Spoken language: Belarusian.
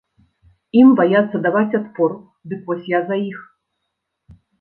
Ім баяцца даваць адпор, дык вось я за іх.